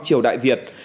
triều đại việt